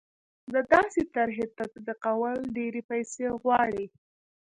د داسې طرحې تطبیقول ډېرې پیسې غواړي.